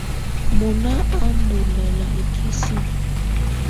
Mɔnà á ndù lɛla ikisinǝ.